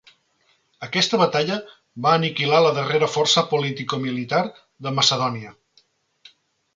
Aquesta batalla va aniquilar la darrera força politicomilitar de Macedònia.